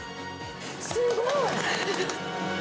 すごい！